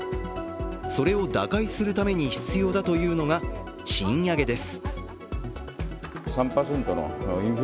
それを打開するために必要だというのが賃上げです。